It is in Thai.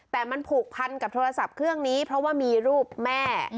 แต่มันผูกพันกับโทรศัพท์เครื่องนี้เพราะว่ามีรูปแม่